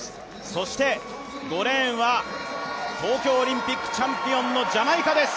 そして５レーンは東京オリンピックチャンピオンのジャマイカです。